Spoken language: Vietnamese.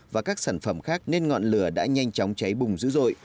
và các sản phẩm khác nên ngọn lửa đã nhanh chóng cháy bùng dữ dội